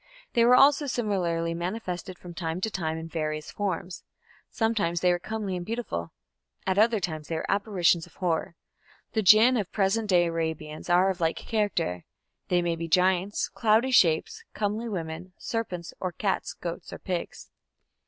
They were also similarly manifested from time to time in various forms. Sometimes they were comely and beautiful; at other times they were apparitions of horror. The Jinn of present day Arabians are of like character; these may be giants, cloudy shapes, comely women, serpents or cats, goats or pigs.